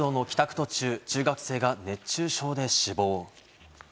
途中、中学生が熱中症で死亡。